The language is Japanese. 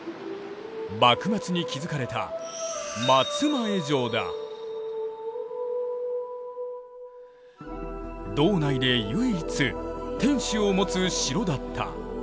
幕末に築かれた道内で唯一天守を持つ城だった。